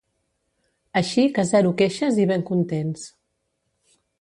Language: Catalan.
Així que zero queixes i ben contents.